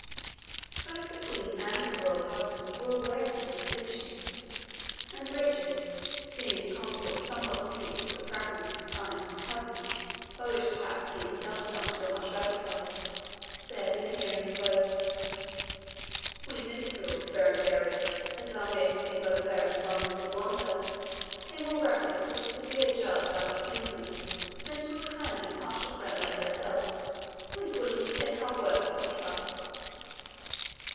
Both the Queen and her royal husband were aware of this distinction, and Richard, seeing his consort somewhat piqued at the preference assigned to his cousin, by which perhaps he himself did not feel much gratified, said in the hearing of both, "We minstrels, Berengaria, as thou mayest see by the bearing of our master Blondel, pay more reverence to a severe judge like our kinswoman than to a kindly, partial friend like thyself, who is willing to take our worth upon trust."